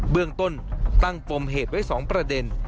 เรื่องต้นตั้งปมเหตุไว้๒ประเด็น